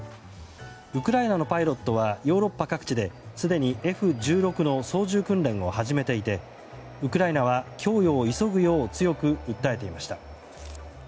ウクライナのパイロットはヨーロッパ各地ですでにＦ１６の操縦訓練を始めていてウクライナは供与を急ぐよう強く訴えていました。